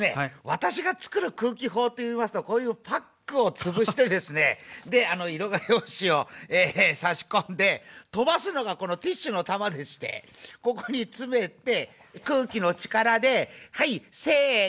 私が作る空気砲といいますとこういうパックを潰してですねで色画用紙を差し込んで飛ばすのがこのティッシュの球でしてここに詰めて空気の力ではいせの！